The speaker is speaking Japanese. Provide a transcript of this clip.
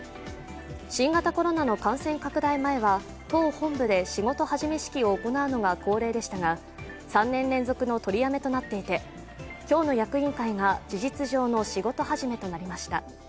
新型コロナの感染拡大前は党本部で仕事始め式を行うのが恒例でしたが３年連続の取りやめとなっていて、今日の役員会が事実上の仕事始めとなりました。